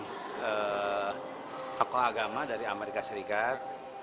dengan tokoh agama dari amerika serikat